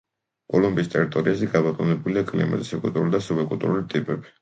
კოლუმბიის ტერიტორიაზე გაბატონებულია კლიმატის ეკვატორული და სუბეკვატორული ტიპები.